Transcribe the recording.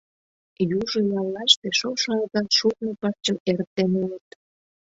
Южо яллаште шошо ага шурно пырчым эрыктен улыт.